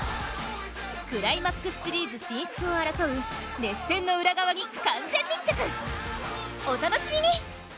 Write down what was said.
クライマックスシリーズ進出を争う熱戦の裏側に完全密着、お楽しみに！